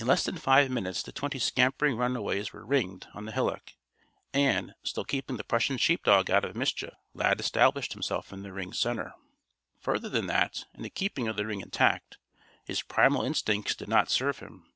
In less than five minutes the twenty scampering runaways were "ringed" on the hillock. And, still keeping the Prussian sheep dog out of mischief, Lad established himself in the ring's center. Further than that, and the keeping of the ring intact, his primal instincts did not serve him.